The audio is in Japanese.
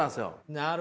なるほど。